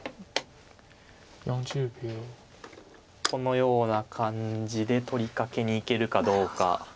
このような感じで取り掛けにいけるかどうか。